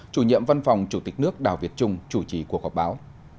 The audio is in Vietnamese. chủ nhiệm văn phòng chủ tịch nước đào việt trung chủ trì cuộc họp báo